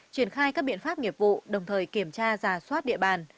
triển khai các biện pháp nghiệp vụ đồng thời kiểm tra giả soát địa bàn